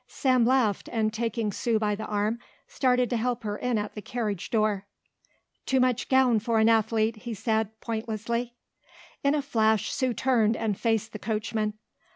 Sam laughed and taking Sue by the arm started to help her in at the carriage door. "Too much gown for an athlete," he said, pointlessly. In a flash Sue turned and faced the coachman.